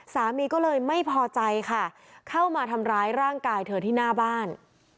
สามีก็เลยไม่พอใจค่ะเข้ามาทำร้ายร่างกายเธอที่หน้าบ้าน